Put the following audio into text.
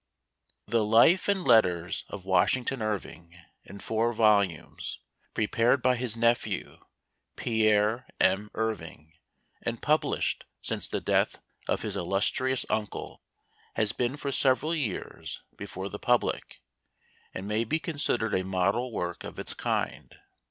PREFACE THE " Life and Letters of Washington Irving," in four volumes, prepared by his nephew, Pierre M. Irving, and published since the death of his illustrious uncle, has been for several years before the public, and may be con sidered a model work of its kind.